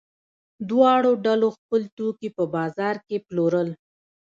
دواړو ډلو خپل توکي په بازار کې پلورل.